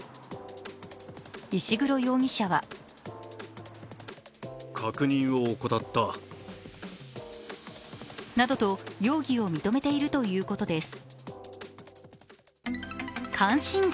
石黒容疑者はなどと容疑を認めているということです。